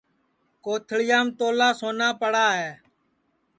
کوتھݪِیام تولا سونا پڑا ہے